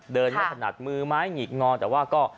เดินไม่ถนัดมือไม้หงิกงอแต่ว่าก็